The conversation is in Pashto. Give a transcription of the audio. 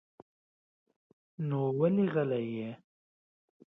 نو ولې غلی يې؟